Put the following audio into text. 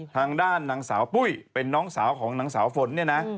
ทางด้านนางสาวปุ้ยเป็นน้องสาวของนางสาวฝนเนี่ยนะ